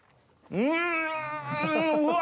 うわ！